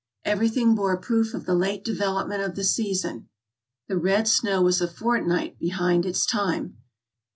Everything bore proof of the late development of the season. The red snow was a fortnight behind its time.